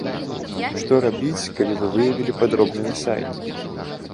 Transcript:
Што рабіць, калі вы выявілі падроблены сайт?